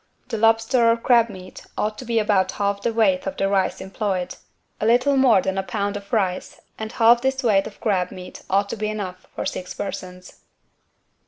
The lobster or crab meat ought to be about half the weight of the rice employed. A little more than a pound of rice and half this weight of crab meat ought to be enough for six persons.